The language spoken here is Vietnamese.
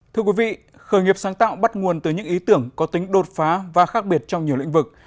thưa quý vị khởi nghiệp sáng tạo bắt nguồn từ những ý tưởng có tính đột phá và khác biệt trong nhiều lĩnh vực